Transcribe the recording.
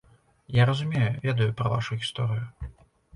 Я разумею, ведаю пра вашу гісторыю.